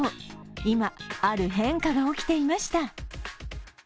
今、ある変化が起きていました。